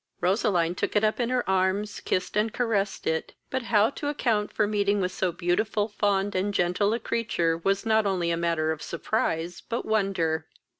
Roseline took it up in her arms, kissed and caressed it; but how to account for meeting with so beautiful, fond, and gentle a creature was not only matter of surprise but wonder.